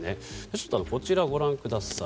ちょっとこちらをご覧ください。